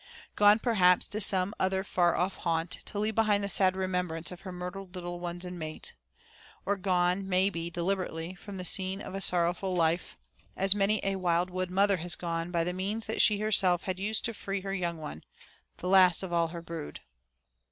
Gone, perhaps, to some other far off haunt to leave behind the sad remembrance of her murdered little ones and mate. Or gone, may be, deliberately, from the scene of a sorrowful life, as many a wild wood mother has gone, by the means that she herself had used to free her young one, the last of all her brood.